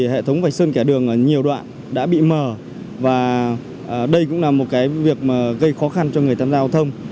hệ thống vạch sơn kẻ đường ở nhiều đoạn đã bị mờ và đây cũng là một việc gây khó khăn cho người tham gia giao thông